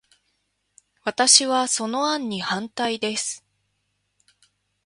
私は、その案に反対です。